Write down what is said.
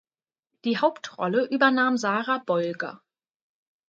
Die Hauptrolle übernahm Sarah Bolger.